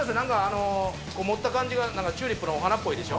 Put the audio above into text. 持った感じがチューリップのお花っぽいでしょ。